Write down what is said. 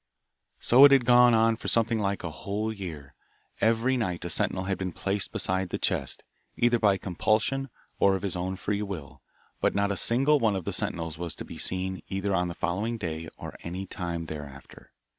So it had gone on for something like a whole year; every night a sentinel had been placed beside the chest, either by compulsion or of his own free will, but not a single one of the sentinels was to be seen, either on the following day or any time thereafter.